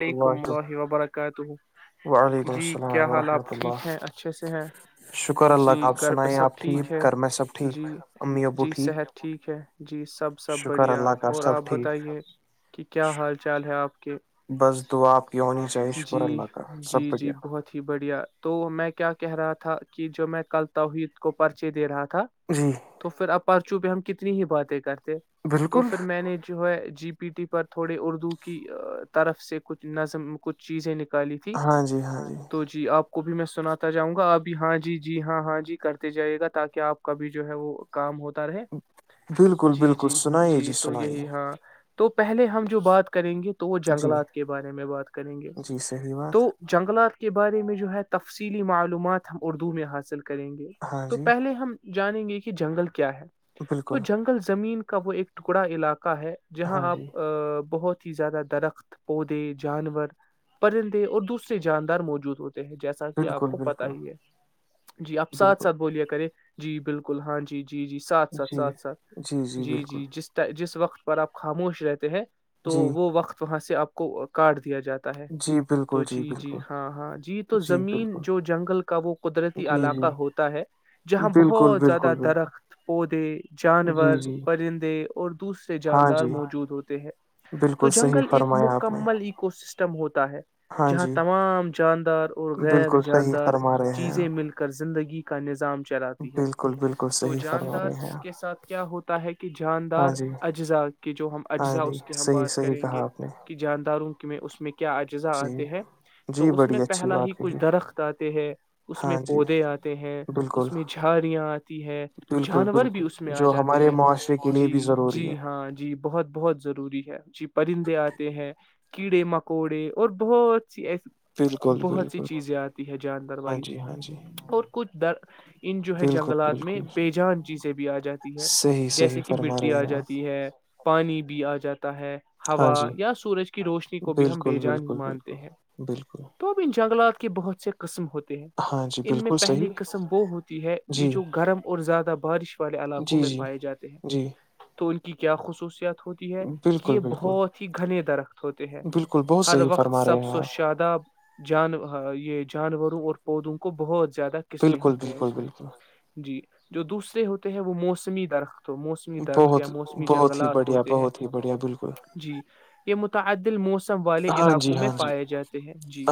یہ اللہ کمبا ہیوا برا کا ت وعلیکم جی کیا السلام حال آپ ورحمۃ اللہ ٹھیک ہیں اچھے سے ہیں شکر اللہ جی کا آپ گھر پہ سنائیں سب آپ ٹھیک ہے گھر میں سب جی ٹھیک امی ابو جی صحت ٹھیک ہے جی سب سب شکر بڑھیا اللہ کا اور سب آپ ٹھیک بتائیے کہ کیا حال چال ہے آپ کے بس دعاپ کی ہونی چاہیے شکر جی اللہ کا سب جی جی بڑھیا بہت ہی بڑھیا تو میں کیا کہہ رہا تھا کہ جو میں کل توحید کو پرچے دے رہا تھا تھا جی تو پھر آپ پرچوں پہ ہم کتنی ہی باتیں کرتے ہیں تو بالکل پھر میں نے جو ہے جی پی ٹی پر تھوڑے اردو کی طرف سے کچھ نظم کچھ چیزیں نکل ہاں جی ہاں جی کو بھی میں سناتا جاؤں گا اب بھی ہاں جی جی ہاں ہاں جی کرتے جائی گا تاکہ آپ کا بھی جو ہے وہ کام ہوتا ہے بالکل جی بالکل جی سنائیے جی تو یہی سنائیے ہاں تو پہلے ہم جو بات کریں گے تو وہ جی جنگلات کے بارے میں بات کریں گے جی صحیح تو بات جنگلات کے بارے میں جو ہے تفصیلی معلومات ہم اردو میں حصل کریں گے ہاں تو جی پہلے ہم جو جانیں گے کہ جنگل کے کیا ہے تو بالکل جنگل زمین کا وہ ایک ھا علا کا ہے جہاں ہاں جی آپ بہت ا ہی زیادہ درخت پودے جانور پرندے اور دوسرے جاندار موجود ہوتے جیسا کہ آپ بالکل کو پتا بالکل ہی ہے جی آپ ساتھ بالکل ساتھ بولیے کرے جی بالکل ہاں جی جی جی ساتھ ساتھ جی ساتھ ساتھ جی جی جس جس وقت پر آپ خاموش رہتے ہیں تو جی وہ وقت وہاں سے آپ کو کاڈ دیا جاتا ہے جی تو بالکل جی جی بالکل ہاں ہاں جی تو زمین جو جنگل کا وہ قدرتی جی علاقہ جی ہوتا ہے جہاں بالکل بہت زیادہ بالکل بالکل درخت پودے جی جانور جی پرندے اور دوسرے ہاں جاندار جی موجود ہوتے ہیں تو بالکل صحیح جنگل ایک فرمایا آپ نے مکمل او سسٹم ہے ہاں جہاں جی تمام جاندار اور غیر بالکل صحیح جاندار فرما رہے ہیں چیزیں آپ مل کر زندگی کا نظام چلاتی ہے بالکل بالکل تو صحیح فرما جاندار رہے ہیں کے آپ ساتھ کیا ہوتا ہے کہ ہاں جاندار جی اجزاء کے جو ہم ہاں اجزا جی اس کی ہم صحیح بات صحیح کریں گے کہا آپ نے کی جانداروں کو میں اس میں کیا اجزاء جی آتے ہیں جی تو اس میں بڑی اچھی پہلا ہی بات کچھ کہی درخت آتے ہے اس میں ہاں جی پودے آتے ہیں بالکل اس میں جھااریاں آتی ہے بالکل جانور بھی بالکل اس میں آ جو جاتے ہمارے ہیں معاشرے کے لیے جی بھی ضروری جی ہے ہاں جی بہت بہت ضروری جی پرندے آ کیڑے مکوڑے اور بہت سی ای بالکل بہت سی بالکل چیزیں آتی ہے جاندور ہاں والی جی ہاں جی اور کچھ در ان جو ہے بالکل جنگلات میں بالکل بےجان چیزیں بھی آ جاتی ہے صحیح صحیح جیسے کہ فرما مٹی رہے آ ہیں آپ جاتی ہے پانی بھی آ جاتا ہے ہاں ہوا جی یا سورج کی روشنی کو بھی ہم بے بالکل جان ہی بالکل مانتے بالکل ہیں بالکل تو اب ان جنگلات کے بہت سے قسم ہوتے ہیں ہاں جی ان میں بالکل پہلی صحیح قسم وہ ہوتی ہے یہ جی جو گرم اور زیادہ بارش والے علاقوں جی میں جی پائے جاتے ہیں جی تو ان کی کیا خصوصیت ہوتی ہے کہ بالکل یہ بالکل بہت ہی گھنے ہوتے ہیں بالکل بہت ہر صحیح وقت فرما رہے سب ہیں س و آپ شاداب جان یہ جانوروں اور پودوں کو بہت زیادہ قسمیں بالکل ہوتے ہیں بالکل اس میں بالکل جی جو دوسرے ہوتے ہیں وہ موسمی درخت تو موسمی درخت یا بہت موسمی بہت ہی جنگلات بڑھیا ہوتے ہیں بہت ہی بڑھیا بالکل جی متعدل موسم والے ہاں علاقوں جی میں ہاں جی پائے جاتے ہیں جی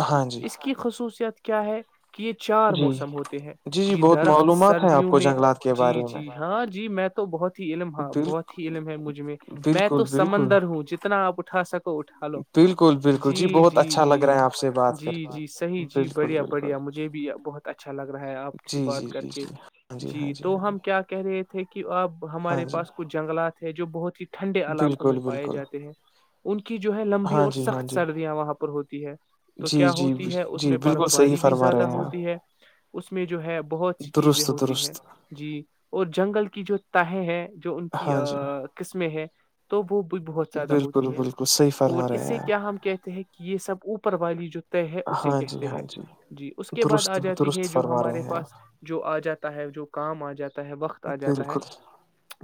اس کی خصوصیت کیا ہے کہ یہ چار جی موسم ہوتے ہیں جی جی یہ بہت درخت معلومات ہیں آپ سردیوں کو میں جنگلات کے جی بارے میں جی ہاں جی میں تو تو بہت ہی علم ہاں بہت بالکل ہی علم ہے مجھ میں میں بالکل تو بالکل سمندر ہوں جتنا آپ تھاا سک کو اٹھا لو بالکل بالکل جی بہت جی اچھا لگ جی رہا ہے آپ سے بات کر جی کے جی صحیح جی بالکل بڑھیا بالکل بڑھیا مجھے بھی بہت اچھا لگ رہا ہے آپ سے جی جی بات کر جی کے جی ہاں ہاں جی تو ہاں ہم کیا کہہ رہے تھے کہ آب ہاں ہمارے جی پاس کچھ جنگلات ہے جو بہت ہی ٹھنڈے علاقوں میں بالکل پائے بالکل جاتے ہیں لمبی ہاں اور جی ہاں سخت جی سردیااں ہوتی ہے تو جی کیا جی ہوتی جی ہے بر بالکل صحیح باری بھی فرما زدہ رہے ہیں ہوتی آپ ہے اس ہے بہت سی چیزیں درست ہوتی ہے درست جین کی جو تہ ہے جو ان کی ہاں جی قسمیں ہے تو وہ بہت زیادہ بالکل ہوتی ہے بالکل صحیح اور فرما رہے اس ہیں سے یار کیا ہم کہتے ہیں کہ یہ سب اوپر والی جو اسے ہاں جی کہتے ہاں ہیں جی اس کے بعد آ درست جاتی ہے درست جو فرما رہے ہمارے ہیں پاس جو آ جاتا ہے جو کام آ جاتا ہے وقت آ آپ جاتا ہے بالکل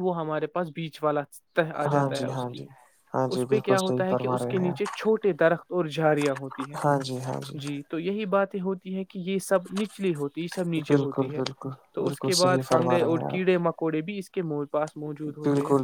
وہ ہمارےا بس بیچ والا تہ آ ہاں جاتا ہے جی اس ہاں کی جی ہاں جی اس پہ بالکل صحیح ہوتا ہے کہ فرما اس کے رہے ہیں نیچے چھوٹے درخت اور جھاریاں ہوتی ہیں آپ ہاں جی ہاں جی تو یہی باتیں ہوتی ہیں کہ کہ یہ سب نچلی ہوتی یہ سب نیچے بالکل ہوتی ہے بالکل تو اس بالکل کے صحیح بعد فنگ فرما رہے اور ہیں آپ کیڑے مکوڑے بھی اس کے پاس موجود ہوتے ہیں بالکل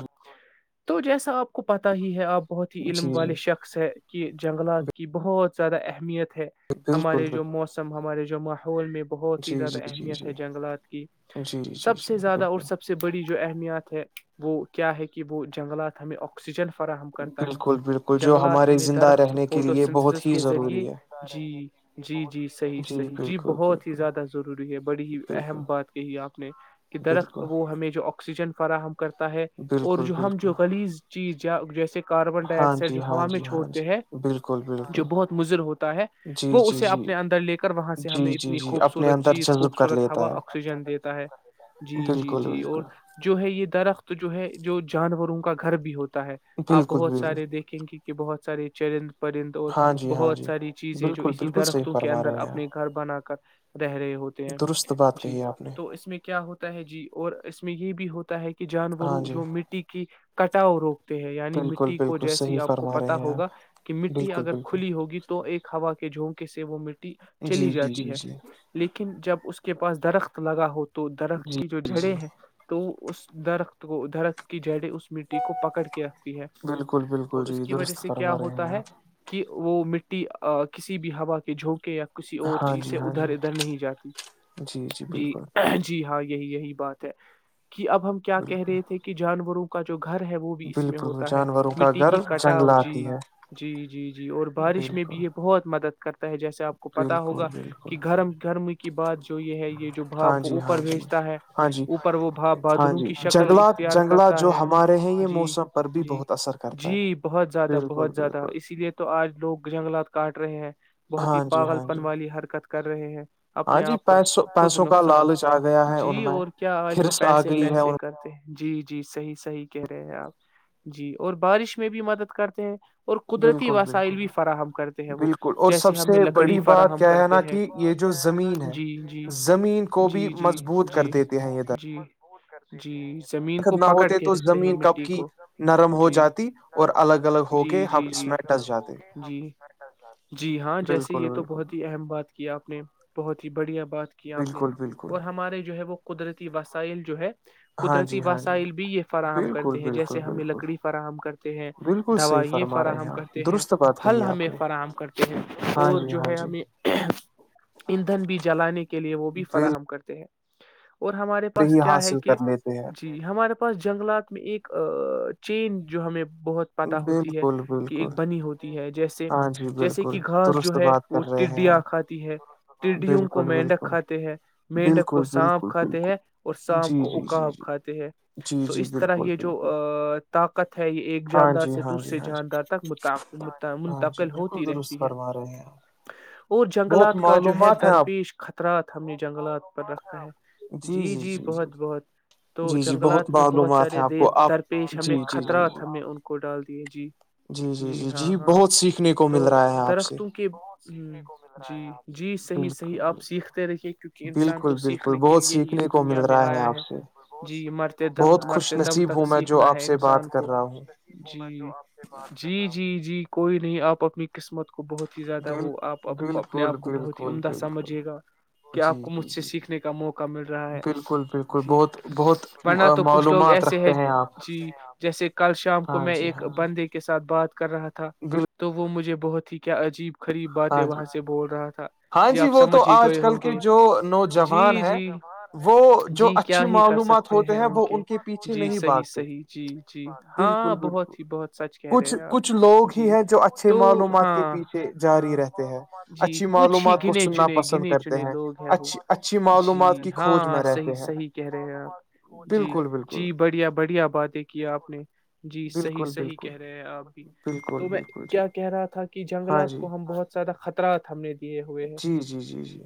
تو جیسا آپ کو پتا ہی ہے آپ بہت ہی علم جی جی والے شخص ہے کہ جنگلات کی بہت زیادہ اہمیت ہے بالکل ہمارے جو بالکل موسم ہمارے جو جمع ماحول میں بہت ہی جی زیادہ جی جی اہمیت جی ہے جنگلات کی جی جی سب سے جی زیادہ اور بالکل سب سے بڑی جو اہمیات ہے وہ کیا ہے کہ وہ جنگلات ہمیں آکسیجن فراہم کرتے بالکل بالکل جو ہمارے زندہ رہنے کے لیے بہت ہی ضروری ہے ج جی ج جی صحیح صحیح جی بالکل بہت ہی بالکل زیادہ ضروری ہے بڑی ہی بالکل اہم بات کہی ہے آپ نے کہ درخت بالکل وہ ہمیں جو آکسیجن فراہم کرتا ہے اور بالکل جو ہم بالکل جو خلیز چیز ج جیسے کاربن ڈائی ہاں آکسائڈ جی جو ہاں ہوا میں جی ہاں چھوڑتے جی ہیں بالکل جو بالکل بہت مضر ہوتا ہے جی وہ جی اسے جی اپنے اندر لے کر وہاں سے جی ہمیں جی اتنی جی اپنے خوبصورت اندر چیز جذب کر خوبصورت ہوا لیتا ہے آکسیجن دیتا ہے جی جی بالکل جی اور بالکل جو ہے یہ درخت تو جو ہے جو جانوروں کا گھر بھی ہوتا ہے آپ بالکل بہت بالکل سارے دیکھیں گے کہ بہت سر چن پرند اور ہاں جی ہاں بہت جی ساری چیزیں جو بالکل اسی بالکل صحیح درختوں کے فرما اندر رہے ہیں اپنے آپ گھر بنا کر رہ رہے ہوتے ہیں درست بات جی کہی آپ نے تو اس میں کیا ہوتا ہے جی اور اس میں یہ بھی ہوتا ہے کہ کی ہاں جانوروں جی جو مٹی کی کٹاؤ روکتے ہیں بالکل مٹی کو بالکل جیسی صحیح آپ کو فرما پتا رہے ہیں ہوگا آپ کہ مٹی بالکل اگر کھلی بالکل ہوگی تو ایک ہ ہوا کے جھونکے سے وہ مٹ ٹی چلی جی جی جاتی جی ہے جی لیکن جب اس کا کے پاس درخت لگا ہوتا تو درخت جی کی جو جی جڑیں جی ہیں تو اس درخت کو درخت کی جڑیں اس مٹی کو پکڑ کیا ہے بالکل بالکل اور اس جی کی وجہ درست سے کیا فرما رہے ہوتا ہیں ہے آپ کہ وہ مٹی کسی بھی ہوا کے جھونکے یا کسی اور ہاں چیز جی سے ہاں جی ادھر ادھر نہیں جاتی جی جی ہاں یہی یہی بات تو کہ اب ہم کیا کہہ بالکل رہے تھے کہ جانوروں کا جو گھر ہے وہ بھی اس بالکل ہوتا ہے جانوروں کا مٹی کی گھر کٹاؤ جی جنگلات ہی ہے جی جی جی اور بارش میں بھی بالکل یہ بہت مدد [inaudible] جیسے آپ کو پتا بالکل ہوگا بالکل کہ گھرم گھرمی کی بعد جو یہ ہے یہ جو ہاں بھاپ جی ہاں اوپر جی بھیجتا ہے ہاں جی اوپر وہ بھاپ ہاں بادلوں جی کی شکل جنگلات اختیار جنگلات کرتا جو ہے ہمارے ہیں یہ جی موسم پر بھی جی بہت اثر کرتا ہے جی بہت زیادہ بالکل بہت زیادہ بالکل اسی لیے تو آج لوگ جنگلات کاٹ رہے ہیں بہت ہی ہاں جی ہاں پاگلپن جی والی حرکت کر رہے ہیں ہاں اپنے جی آپ پر پیسوں خود پیسوں کا نقصان لالچ آ گیا ہے ان جی میں اور کیا آج تو ہرس آ پیسے گئی ہے پیسے ان کرتے ہیں جی جی صحیح صحیح کہہ رہے ہیں آپ جی اور بارش میں بھی مدد کرتے ہیں اور قدرتی بلکل وسائل بلکل بھی فراہم کرتے ہیں وہ بلکل اور جیسے سب سے ہمیں لکڑی بڑی بات فراہم کیا ہے کرتے نہ ہیں کہ یہ جو زمین ہے جی جی زمین کو بھی جی جی مضبوط کر جی دیتے ہیں یہ در جی جی زمین کو پکڑ کے رکھتے ہیں زمین مٹ کب کی نرم ہو جی جاتی اور الگ الگ ہو جی کے جی ہم اس جی میں ڈس جاتے جی جی ہاں جیسے بالکل یہ تو بالکل بہت ہی اہم بات کی آپ نے بہت ہی بڑھیا بات کی آپ نے بالکل بالکل اور ہمارے جو ہے وہ قدرتی وسائل جو ہے ہاں قدرتی جی ہاں جی وسائل بھی یہ فراہم کرتے بالکل ہیں بالکل جیسے ہمیں بالکل لکڑی فراہم کرتے ہیں بالکل صحیح دوائیں فرما رہے ہیں فراہم آپ کرتے ہیں درست بات پھل کہی آپ ہمیں نے فراہم کرتے ہیں ہاں اور جی جو ہاں ہے جی ہمیں ایندھن بھی جلانے کے لیے وہ بھی بالکل فراہم کرتے ہیں اور ہمارے پاس ہی کیا ہے حاصل کہ کر لیتے ہیں جی ہمارے پاس جنگلات میں ایک چین جو ہمیں بہت پت ہوتی ہے بالکل کہ ایک بالکل بنی ہوتی ہے جیسے ہاں جی جیسے بالکل کہ گھاس جو درست ہے بات وہ کر رہے ہیں ٹڈیاں آپ کھاتی ہے ٹڈیوں کو بالکل مینڈک بالکل کھاتے ہے مڈک کو بالکل سانپ بالکل کھاتے ہے بالکل اور سانپ جی کو جی جی اکاب جی کھاتے ہے جی تو جی اس طرح بالکل یہ بالکل جو طاقت ہے یہ ایک ہاں جاندار جی سے ہاں جی دوسرے ہاں جی جاندار تک ہاں جی منتقل بالکل ہوتی درست رہتی ہے فرما رہے ہیں آپ اور بہت جنگلات کا جو ہے معلومات ہیں آپ درپیش ط رات ہم نے جنگلات پر رکھا ہے جی جی جی جی جی جی بہت معلومات ہیں آپ کو آپ پیش ہمیں جی جی جی خطرات جی ہمیں ان کو ڈال جی جی ہاں ہاں بہت سیکھنے کو تو مل رہا ہے آپ سے درختوں کے جی جی صحیح صحیح بالکل آپ بالکل سیکھتے رہیے کیونکہ انسان بالکل تو بالکل سیکھنے کے بہت لیے ہی سیکھنے اس کو دنیا مل میں رہا آیا آپ ہے سے جی مرتے دم بہت خوش مرتے دم نصیب تک ہوں میں جو سیکھنا آپ ہے سے بات انسان کر کو رہا ہوں جی جی جی کوئی نہیں آپ اپنی قسمت کو کو بہت ہی زیادہ بال وہ آپپ کو اپنے بالکل آپ کو بہت ہی بالکل عمدہ بالکل سمجھے گا کہ آپ جی کو مجھ جی سے جی سیکھنے کا موقع مل رہا ہے بالکل بالکل جی بہت بہت ورنہ تو کچھ لوگ معلومات ایسے رکھتے ہے ہیں آپ جی جیسے کل شام کو ہاں میں جی ایک ہاں جی بندے کے ساتھ بات کر رہا تھا بالکل تو وہ مجھے بہت ہی کیا عجیب خریب باتیں ہاں جی وہاں سے بول رہا تھا ہاں جی آپ وہ تو سمجھ ہی آج گئے کل ہوں کے گے جو نوجوان جی ہے جی وہ جو جی کیا اچھی ہی کر معلومات سکتے ہوتے ہیں ان وہ کے پیچھے جی نہیں صحیح بھاگتے صحیح جی جی ہاں بالکل بالکل بہت ہی بہت سچ کہہ رہے کچھ ہیں آپ کچھ لوگ جی ہی ہیں جو اچھے تو معلومات کے ہاں پیچھے ہاں جاری رہتے ہیں جی اچھی کچھ ہی معلومات کو گنے سننا چنے پسند گنے کرتے چنے لوگ ہیں وہ اچھی اچھی جی معلومات کی ہاں کھوج ہاں میں صحی رہتے ہیں صحیح کہہ رہے ہیں آپ جی بالکل بالکل جی بڑھیا بڑھیا بادے کیا آپ نے جی صحیح بالکل صحیح بالکل کہہ رہے ہیں آپ بھی تو بالکل میں بالکل جی کیا کہہ رہا تھا کہ ہاں جنگلات جی کو ہم بہت زیادہ خطرہات ہمنے ہوئے ہیں جی جی جی جی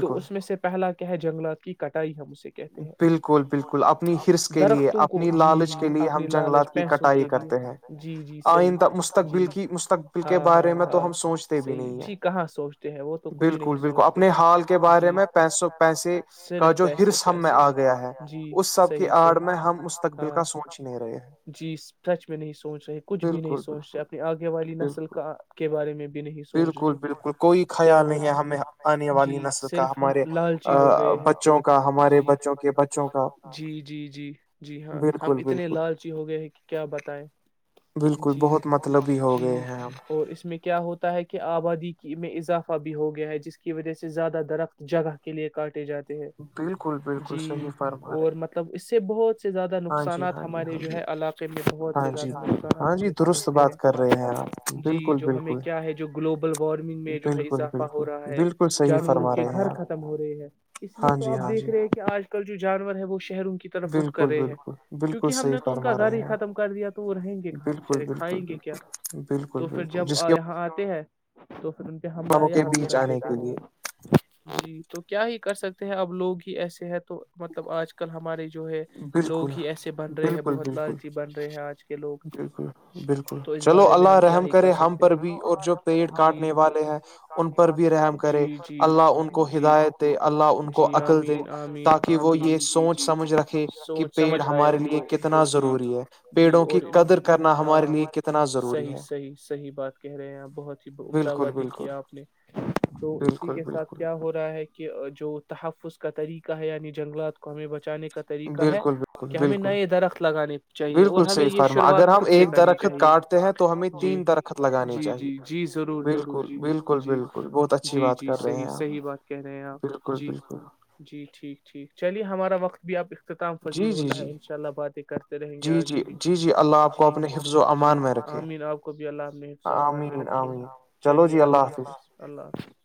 تو اس میں سے پہلا کیا ہے جنگلات کی کٹائی ہم اسے کہتے ہیں بالکل بالکل اپنی ہرس کے لیے درختوں اپ جی اپنی لالچ پیسوں کے کرتے ہیں لیے جی جی صحیح آئندہ جی مستقبل کی مستقبل کے ہاں ہاں بارے میں تو ہاں ہم سوچتے بھی صحیح نہیں ہیں جی کہاں سوچتے ہیں وہ تو کچھ نہیں بالکل بالکل سوچتے اپنے حال کے بارے جی صرف پ سب میں آ گیا ہے اس سب صحیح کی آڑ صحیح میں ہم مستقبل ہاں کا سوچ ہی نہیں رہے ہیں جی سچ میں نہیں سوچ رہے کچھ بھی نہیں بالکل سوچ رہے بالکل اپنی آگے والی نسل بالکل کا کے بارے میں بھی نہیں سوچ رہے بالکل بالکل کوئی کیا خیال وہ نہیں ہے ہمیں آنے جی والی نسل کا صرف ہم ہمارے لالچی ہو آ گئے ہیں بچوں کا جی ہمارے بچوں کے بچوں کا ج ہاں ہم بالکل اتنے بالکل لالچی ہو گئے ہیں کہ کیا بتائ بالکل جی بہت مطلبی ہو جی گئے ہیں ہم اور اس میں کیا ہوتا ہے کہ آبادی میں اضافہ بھی ہو گیا ہے جس کی وجہ سے زیادہ درخت جگہ کے لئے کاٹے جاتے بالکل بالکل جی صحیح فرما رہے اور ہیں مطلب اس سے [unintelligible] س سے زیادہ ہاں جی نقصانات ہاں جی ہمارے ہاں جو جی ہے علاقے میں بہت سے ہاں جی زیادہ نقصانات ہاں جی ہمیں درست پہنچتے بات کر رہے آپ ہیں جی بالکل جو ہمیں بالکل کیا ہے جو گلوبل وارمنگ میں جو ہے بالکل اضافہ بالکل ہو رہا ہے بالکل صحیح جانوروں فرما کے رہے ہیں گھر آپ ختم ہو رہے ہیں اس لیے ہاں تو جی آپ ہاں دیکھ جی رہے ہیں کہ آج جو جانور ہے وہ شہروں کی طرف رک بالکل کرے ہیں بالکل بالکل کیونکہ ہم صحیح نے تو ان کا فرما گھر رہے ہی ہیں آپ ختم کر دیا تو وہ رہیں گے کہ بالکل بچارے بالکل کھائیں گے کیا بالکل بالکل تو پھر بالکل جب جس کے یہاں آتے [unintelligible] ان پہ حملہ والوں کے یہاں بھی بیچ کر آنے دیتا کے لیے ہے ج تو کیا ہی کر سکتے ہیں اب لوگ ہی ایسے ہیں تو مطلب آج کل ہمارے جو ہے لوگ بالکل ہی ایسے بن رہے ہیں بالکل بہت بالکل لالچی بن رہے ہیں آج کے لوگ بالکل بالکل تو اس چلو بارے میں اللہ ہم کیا رحم ہی کر کرے ہم سکتے ہیں پر بھی اور جو پیڑ جی کاٹنے والے ہیں ان پر بھی رحم ہیں جی کرے ان پر بھی جی رحم اللہ ان کرے، کو جی اللہ ہدایت ان دے کو اللہ ہدایت دے، ان جی کو اللہ عقل دے ان آمین کو عقل تاکہ وہ آمین دے آمین یہ تاکہ وہ سوچ جی یہ جی سمجھ رکھ سوچ سمجھ آئے ان کو ان کو جی ضروری ہے جی پیڑوں کی اور قدر کرنا ہمارے ہاں لیے کتنا ضروری صحیح ہے صحیح صحیح بات کہہ رہے ہیںپ بہت ہی عمدہ بالکل باتیں بالکل کیا آپ نے تو اسی بالکل کے ساتھ بالکل کیا ہو رہا ہے کہ جو تحفظ کا طریقہ ہے یعنی جنگلات کو ہمیں بچانے کے کا طریقہ کا ہے بالکل بالکل کہ ہمیں بالکل نئے درخت لگانے چاہیے اور بالکل ہمیں صحیح یہ فرما اگر شروعات ہم خود سے ایک کرنی درخت چاہیے کاٹتے ہیں تو ہمیں جی تین درخت لگانے جی چاہیے جی جی ضرور ضرور بالکل جی بالکل جی بالکل بہت اچھی جی بات جی کر رہے صحیح ہیں آپ صحیح بات کہہ رہے ہیں آپ بالکل جی بالکل جی ٹھیک ٹھیک چلیے ہمارا وقت [unintelligible] اختتام فضیل جی جی ہوتا جی ہے ان شاء اللہ باتیں کرتے رہیں گے جی آگے جی بھی جی جی اللہ آپ کو جی اپنے حفظ و جی امان میں رکھے آمین آپ کو بھی اللہ حفامان میں آمین رکھے آمین چلو چلیے جی اللہ حافظ اللہ حافظ